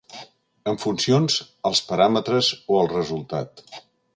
Amb funcions als paràmetres o al resultat.